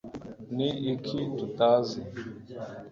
ni iki tutazi